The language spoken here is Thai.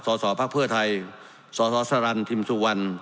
สสภไทยสสศรัลทิมสุวรรณ